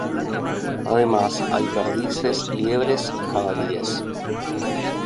Además, hay perdices, liebres y jabalíes.